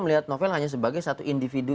melihat novel hanya sebagai satu individu